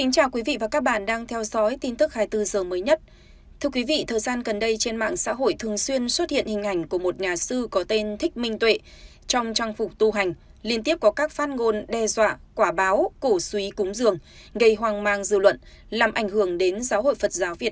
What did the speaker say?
chào mừng quý vị đến với bộ phim hãy nhớ like share và đăng ký kênh của chúng mình nhé